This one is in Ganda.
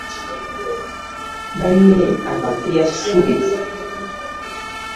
Banne abakubya ssubi.